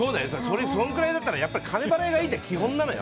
それぐらいだったら金払いがいいって基本なのよ。